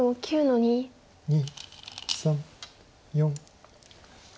２３４。